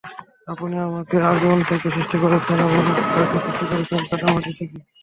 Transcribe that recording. আপনি আমাকে আগুন থেকে সৃষ্টি করেছেন এবং তাকে সৃষ্টি করেছেন কাদা মাটি থেকে।